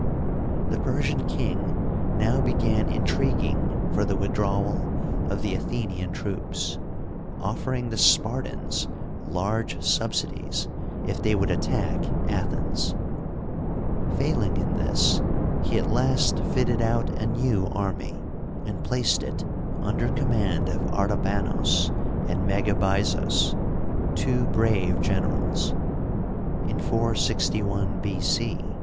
The Persian kin^f now began intriguing for the with drawal of the Athenian troops, offering the Spartans large subsidies if they would attack Athens. Failing in this, he at last fitted out a new army, and placed it under com mand of Artabanos and Megabyzos, two brave generals. In 461 B. c.